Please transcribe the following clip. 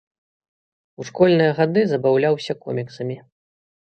У школьныя гады забаўляўся коміксамі.